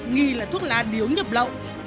nghì là thuốc lá điếu nhập lậu